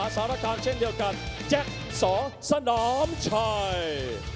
สารการเช่นเดียวกันแจ็คสอสนามชัย